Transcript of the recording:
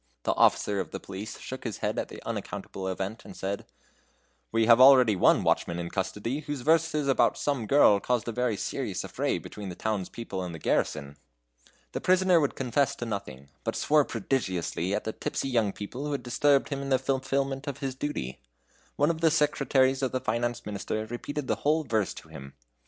The officer of the police shook his head at the unaccountable event, and said: "We have already one watchman in custody, whose verses about some girl caused a very serious affray between the town's people and the garrison." The prisoner would confess to nothing, but swore prodigiously at the tipsy young people who had disturbed him in the fulfilment of his duty. One of the secretaries of the Finance Minister repeated the whole verse to him.